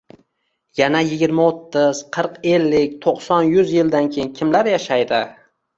Yana yigirma-o‘ttiz, qirq-ellik, to‘qson-yuz yildan keyin kimlar yashaydi